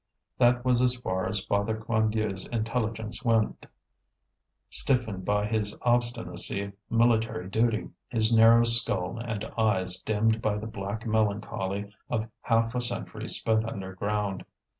That was as far as Father Quandieu's intelligence went, stiffened by his obstinacy of military duty, his narrow skull, and eyes dimmed by the black melancholy of half a century spent underground.